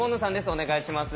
お願いします。